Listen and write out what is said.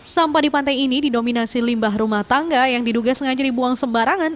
sampah di pantai ini didominasi limbah rumah tangga yang diduga sengaja dibuang sembarangan